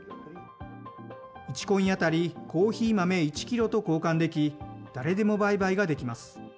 １コイン当たりコーヒー豆１キロと交換でき、誰でも売買ができます。